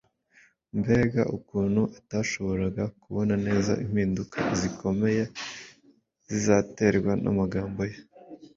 Mbega ukuntu atashoboraga kubona neza impinduka zikomeye zizaterwa n’amagambo ye!